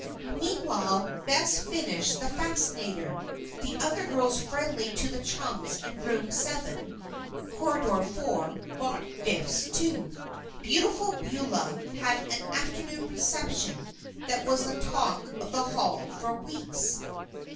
Meanwhile Bess finished the "fascinator." The other girls friendly to the chums in Room Seven, Corridor Four, brought gifts, too. Beautiful Beulah had an afternoon reception that was the talk of the Hall for weeks.